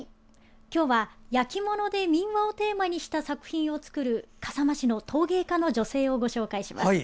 今日は焼き物で民話をテーマにした作品を作る笠間市の陶芸家の女性をご紹介します。